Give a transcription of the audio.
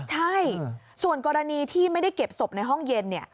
ใช่ส่วนกรณีที่ไม่ได้เก็บศพในห้องเย็น